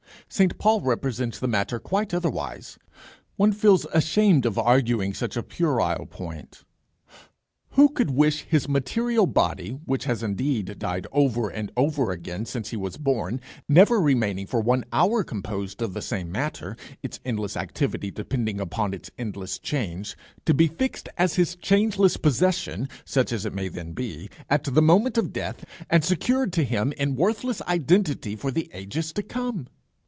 St Paul represents the matter quite otherwise. One feels ashamed of arguing such a puerile point. Who could wish his material body which has indeed died over and over again since he was born, never remaining for one hour composed of the same matter, its endless activity depending upon its endless change, to be fixed as his changeless possession, such as it may then be, at the moment of death, and secured to him in worthless identity for the ages to come?